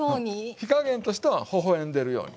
火加減としては微笑んでるように。